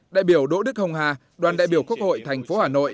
đại biểu đỗ đức hồng hà đoàn đại biểu quốc hội thành phố hà nội